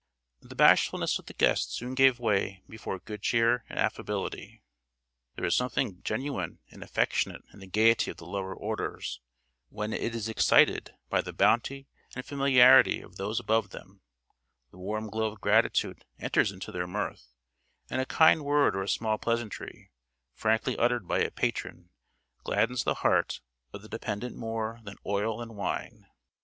The bashfulness of the guests soon gave way before good cheer and affability. There is something genuine and affectionate in the gaiety of the lower orders, when it is excited by the bounty and familiarity of those above them; the warm glow of gratitude enters into their mirth, and a kind word or a small pleasantry, frankly uttered by a patron, gladdens the heart of the dependant more than oil and wine.